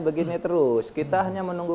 begini terus kita hanya menunggu